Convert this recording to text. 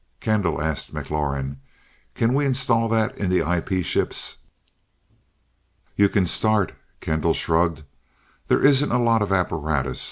"Kendall," asked McLaurin, "can we install that in the IP ships?" "You can start." Kendall shrugged. "There isn't a lot of apparatus.